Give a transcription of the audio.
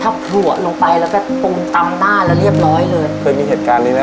ถ้าผัวลงไปแล้วก็ปูนตำหน้าแล้วเรียบร้อยเลย